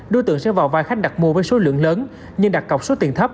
đối tượng sẽ vào vai khách đặt mua với số lượng lớn nhưng đặt cọc số tiền thấp